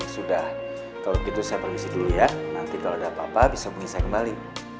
sudah kalau begitu saya permisi dulu ya nanti kalau ada apa apa bisa hubungi saya kembali